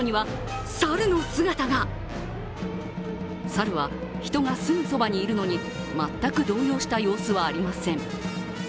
サルは人がすぐそばにいるのに全く動揺した様子はありません。